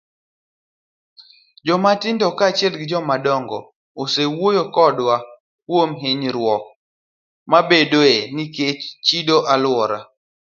Jomatindo kaachiel gi jomadongo osewuoyo kodwa kuom hinyruok mabedoe nikech chido alwora.